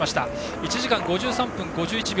１時間５３分５１秒。